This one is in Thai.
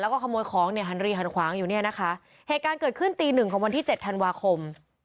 แล้วก็ขโมยของเนี่ยหันรีหันขวางอยู่เนี่ยนะคะเหตุการณ์เกิดขึ้นตีหนึ่งของวันที่เจ็ดธันวาคม